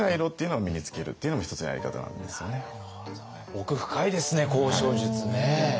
奥深いですね交渉術ね。